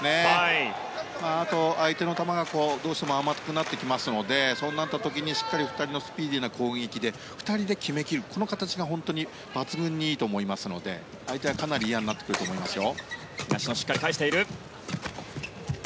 あと、相手の球がどうしても甘くなってきますのでそうなった時に、しっかり２人のスピーディーな攻撃で２人で決めきるという形が抜群にいいと思いますので相手はかなり嫌になってくると思いますよ。